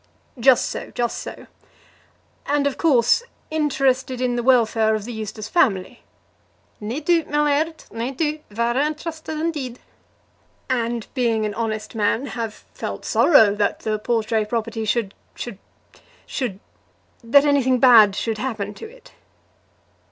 "Just so; just so. And, of course, interested in the welfare of the Eustace family?" "Nae doobt, my laird, nae doobt; vera interasted indeed." "And being an honest man, have felt sorrow that the Portray property should should should ; that anything bad should happen to it."